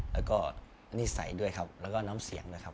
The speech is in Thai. แล้วก็นิสัยด้วยครับแล้วก็น้ำเสียงด้วยครับ